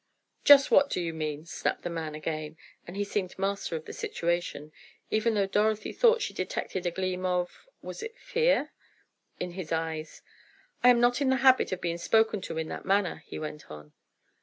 "Just what do you mean?" snapped the man again, and he seemed master of the situation, even though Dorothy thought she detected a gleam of—was it fear? in his eyes. "I am not in the habit of being spoken to in that manner," he went on.